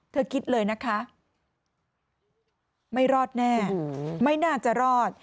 คิดเลยนะคะไม่รอดแน่ไม่น่าจะรอด